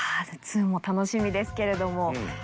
２も楽しみですけれども。